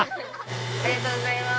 ありがとうございます。